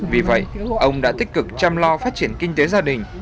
vì vậy ông đã tích cực chăm lo phát triển kinh tế gia đình